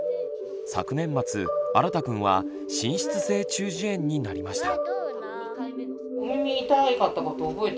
昨年末あらたくんは滲出性中耳炎になりました。